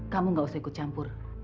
kamu gak usah ikut campur